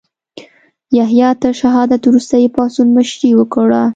یحیی تر شهادت وروسته یې پاڅون مشري وکړه.